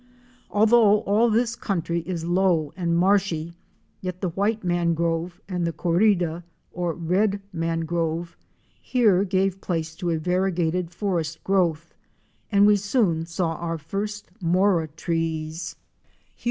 Although all this country is low and marshy, yet the White Mangrove and the Courida, or Red Mangrove, here give place to a variegated forest growth, and we soon saw our first Mora trees,— huge 136 OUR SEARCH FOR A WILDERNESS.